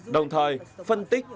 đồng thời phân tích